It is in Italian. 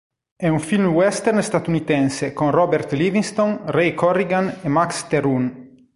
È un film western statunitense con Robert Livingston, Ray Corrigan e Max Terhune.